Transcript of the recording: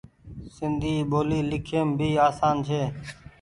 سندي ٻولي لکيم ڀي آسان ڇي۔